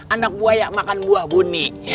anak buaya makan buah bunyi